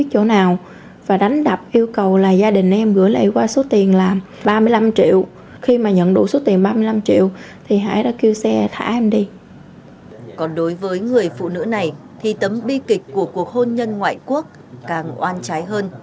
còn đối với người phụ nữ này thì tấm bi kịch của cuộc hôn nhân ngoại quốc càng oan trái hơn